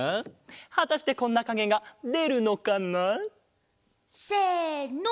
はたしてこんなかげがでるのかな？せの！